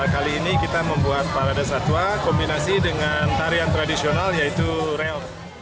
kali ini kita membuat parade satwa kombinasi dengan tarian tradisional yaitu reo